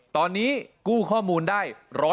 ตอนนี้กู้ข้อมูลได้๑๐๐